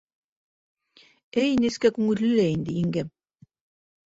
Әй нескә күңелле лә инде еңгәм!